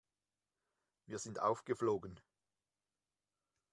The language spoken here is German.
Wir sind aufgeflogen.